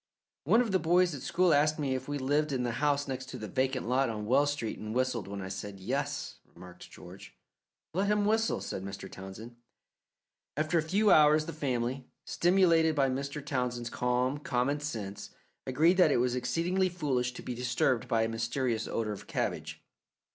"One of the boys at school asked me if we lived in the house next to the vacant lot on Wells Street and whistled when I said 'Yes,'" remarked George. "Let him whistle," said Mr. Townsend. After a few hours the family, stimulated by Mr. Townsend's calm, common sense, agreed that it was exceedingly foolish to be disturbed by a mysterious odour of cabbage.